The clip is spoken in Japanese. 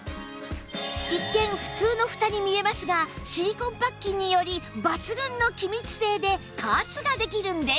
一見普通のフタに見えますがシリコンパッキンにより抜群の気密性で加圧ができるんです